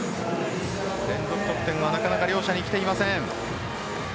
連続得点はなかなか両者に来ていません。